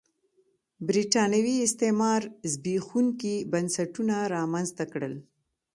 برېټانوي استعمار زبېښونکي بنسټونه رامنځته کړل.